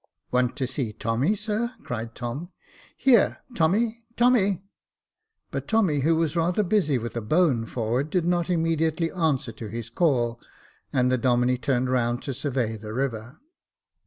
"Want to see Tommy, sir?" cried Tom. "Here, Tommy, Tommy !" But Tommy, who was rather busy with a bone forward, did not immediately answer to his call, and the Domine turned round to survey the river.